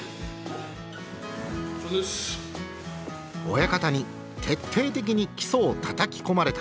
親方に徹底的に基礎をたたき込まれた。